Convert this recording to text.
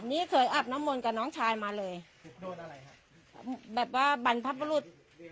นี่เคยอาบน้ำมนต์กับน้องชายมาเลยโดนอะไรฮะแบบว่าบรรพบรุษ